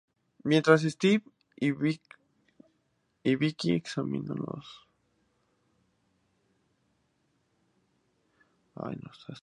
Mientras Steven y Vicki examinan los acantilados, les vigila un extraño monje.